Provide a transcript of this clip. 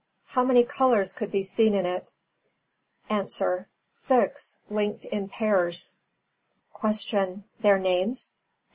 How many colours could be seen in it? A. Six, linked in pairs. 337. Q. _Their names?